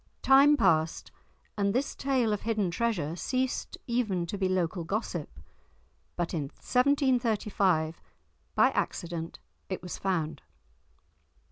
Time passed, and this tale of hidden treasure ceased even to be local gossip, but in 1735 by accident it was found.